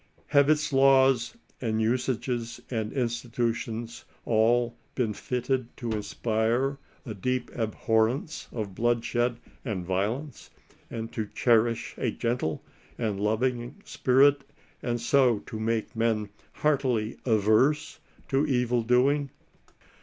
Have its laws, and usages, and institutions all been fitted to inspire a deep abhorrence of bloodshed and ^violence, and to cherish a gentle and loviqg spirit, and so to make men heartily averse to evil doing